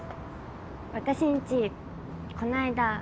私んちこないだ